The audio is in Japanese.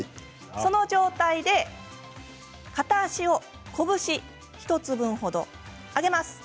その状態で、片足を拳１つ分程、上げます。